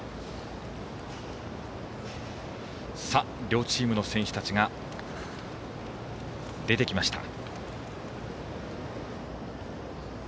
両チームの選手たちが出てきました。